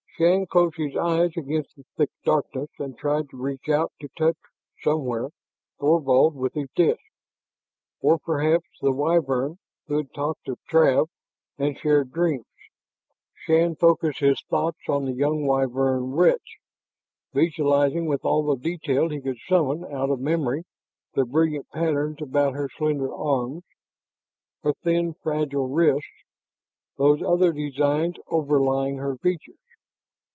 Shann closed his eyes against the thick darkness and tried to reach out to touch, somewhere, Thorvald with his disk or perhaps the Wyvern who had talked of Trav and shared dreams. Shann focused his thoughts on the young Wyvern witch, visualizing with all the detail he could summon out of memory the brilliant patterns about her slender arms, her thin, fragile wrists, those other designs overlaying her features.